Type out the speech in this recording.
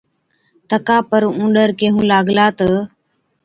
تڪا پر اُونڏر ڪيهُون لاگلا تہ،